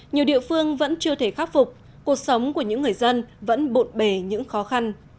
nhiều địa phương vẫn chưa thể khắc phục cuộc sống của những người dân vẫn bộn bề những khó khăn